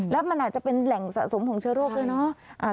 แล้วมันอาจจะเป็นแหล่งสะสมของเชื้อโรคด้วยเนาะ